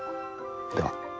では。